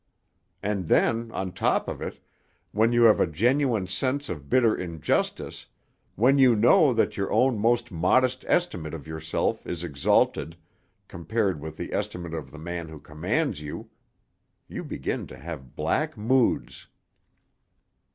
And then, on top of it, when you have a genuine sense of bitter injustice, when you know that your own most modest estimate of yourself is exalted compared with the estimate of the man who commands you you begin to have black moods....